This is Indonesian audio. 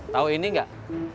tau ini gak